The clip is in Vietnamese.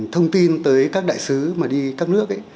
thông tin tới các đại sứ mà đi các nước ấy